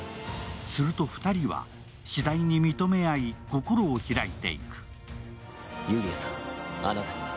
すると、２人はしだいに認め合い心を開いていく。